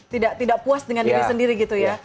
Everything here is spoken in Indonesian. tidak puas dengan diri sendiri gitu ya